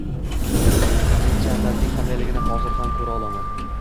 Men jannatning qandayligini hozir ham ko‘ra olaman